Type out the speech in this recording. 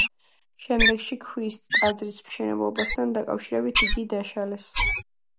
შემდეგში, ქვის ტაძრის მშენებლობასთან დაკავშირებით, იგი დაშალეს.